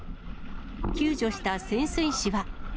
救助した潜水士は。